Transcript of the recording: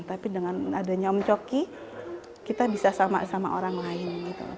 tapi dengan adanya om coki kita bisa sama sama orang lain